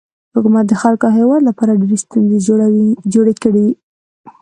حکومت د خلکو او هیواد لپاره ډیرې ستونزې جوړې کړي.